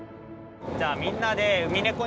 じゃあみんなでえ